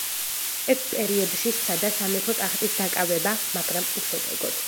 ერთ პერიოდში სცადა სამეფო ტახტის დაკავება, მაგრამ უშედეგოდ.